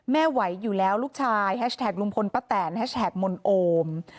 ไหวอยู่แล้วลูกชายแฮชแท็กลุงพลป้าแตนแฮชแท็กมนโอม